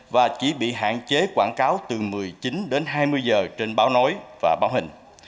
và chỉ bị hạn chế quảng cáo từ một mươi chín đến hai mươi giờ trên báo nói và báo hình